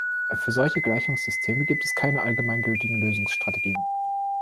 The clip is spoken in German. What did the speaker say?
Für solche Gleichungssysteme gibt es keine allgemeingültigen Lösungsstrategien.